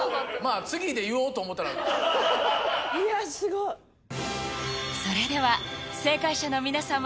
いやすごいそれでは正解者の皆様